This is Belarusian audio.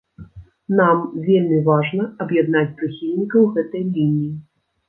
Нам вельмі важна аб'яднаць прыхільнікаў гэтай лініі.